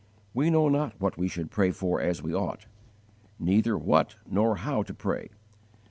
"We know not what we should pray for as we ought" neither what nor how to pray.